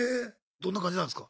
どんな感じなんすか？